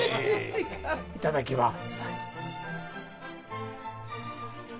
いただきます。